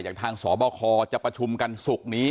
อย่างทางสอบครจะประชุมกันศุกร์นี้